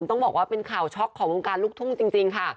ต้องบอกว่าเป็นข่าวช็อกของวงการลูกทุ่งจริงค่ะ